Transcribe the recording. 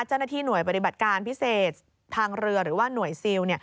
เจ้าหน้าที่หน่วยปฏิบัติการพิเศษทางเรือหรือว่าหน่วยซิล